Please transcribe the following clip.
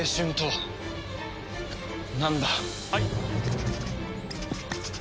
はい？